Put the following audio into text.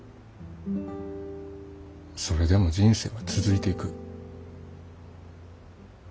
それでも人生は続いていく。